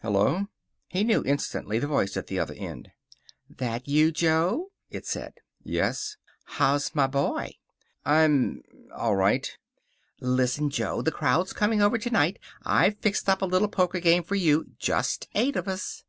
"Hello!" He knew instantly the voice at the other end. "That you, Jo?" it said. "Yes." "How's my boy?" "I'm all right." "Listen, Jo. The crowd's coming over tonight. I've fixed up a little poker game for you. Just eight of us."